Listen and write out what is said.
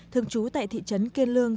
thường trú tại thị trấn kiên lương